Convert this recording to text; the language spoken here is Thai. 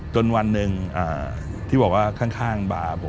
วันหนึ่งที่บอกว่าข้างบ่าผม